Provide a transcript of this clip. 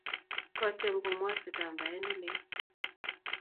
kotiem komwat kitambaet ne leel